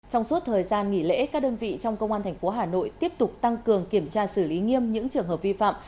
trong suốt thời gian nghỉ lễ các đơn vị trong công an tp hà nội tiếp tục tăng cường kiểm tra xử lý nghiêm những trường hợp vi phạm